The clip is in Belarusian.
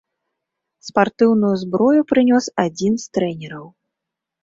Спартыўную зброю прынёс адзін з трэнераў.